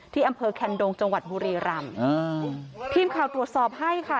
ที่อำเภอแคล์นดงจบุรีรัมพิมพ์ข่าวตรวจสอบให้ค่ะ